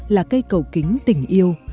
là cây cầu kính tình yêu